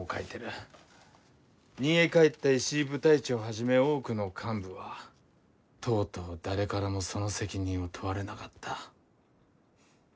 「逃げ帰った石井部隊長はじめ多くの幹部はとうとう誰からもその責任を問われなかった」。